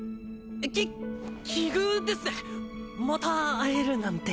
き奇遇ですねまた会えるなんて。